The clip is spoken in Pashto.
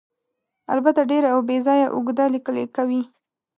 البته ډېر او بې ځایه اوږده لیکل کوي.